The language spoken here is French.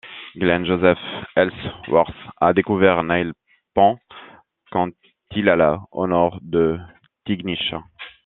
Glenn Joseph Ellsworth a découvert Nail Pond quand il alla au nord de Tignish.